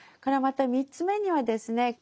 また３つ目にはですね